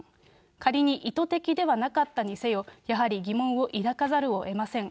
仮に意図的ではなかったにせよ、やはり疑問を抱かざるをえません。